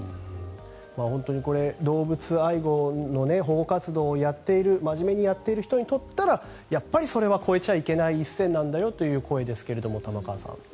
本当に動物愛護の保護活動を真面目にやっている人にとったらそれは越えちゃいけない一線だと思いますが玉川さん。